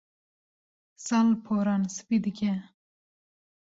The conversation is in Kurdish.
Sal poran spî dike.